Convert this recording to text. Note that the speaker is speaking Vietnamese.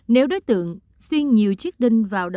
nếu đối tượng xuyên nhiều chiếc đinh kim loại vào đầu sọ